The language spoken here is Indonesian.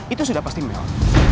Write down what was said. itu sudah pasti mel